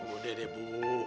udah deh bu